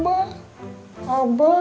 itu kalau gak takut sama abah